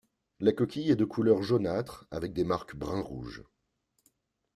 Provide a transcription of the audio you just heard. La coquille est de couleur jaunâtre avec des marques brun-rouge.